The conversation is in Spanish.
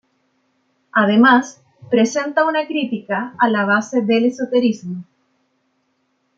Además, presenta una crítica a la base del esoterismo.